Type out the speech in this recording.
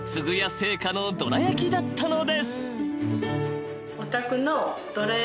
製菓のどら焼きだったのです］